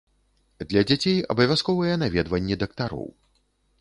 Для дзяцей абавязковыя наведванні дактароў.